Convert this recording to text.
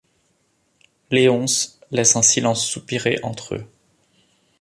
Léonce laisse un silence soupirer entre eux.